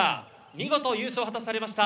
見事優勝を果たされました